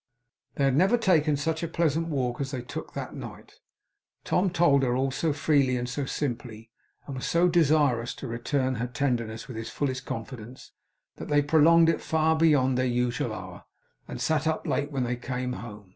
They had never taken such a pleasant walk as they took that night. Tom told her all so freely and so simply, and was so desirous to return her tenderness with his fullest confidence, that they prolonged it far beyond their usual hour, and sat up late when they came home.